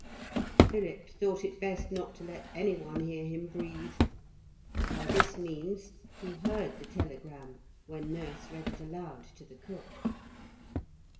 Philip thought it best not to let any one hear him breathe. By this means he heard the telegram when nurse read it aloud to the cook.